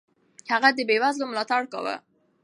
هغه د بېوزلو ملاتړ کاوه.